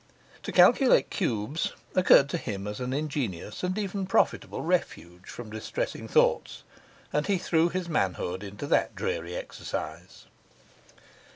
To calculate cubes occurred to him as an ingenious and even profitable refuge from distressing thoughts, and he threw his manhood into that dreary exercise.